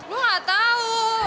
lo gak tau